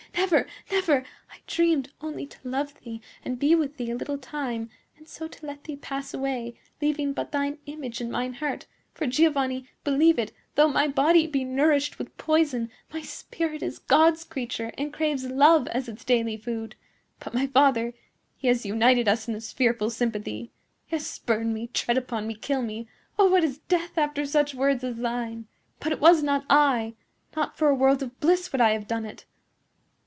Never! never! I dreamed only to love thee and be with thee a little time, and so to let thee pass away, leaving but thine image in mine heart; for, Giovanni, believe it, though my body be nourished with poison, my spirit is God's creature, and craves love as its daily food. But my father,—he has united us in this fearful sympathy. Yes; spurn me, tread upon me, kill me! Oh, what is death after such words as thine? But it was not I. Not for a world of bliss would I have done it."